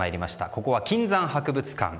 ここは、金山博物館。